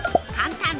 簡単！